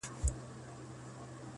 اوس یې تر پاڼو بلبلکي په ټولۍ نه راځي٫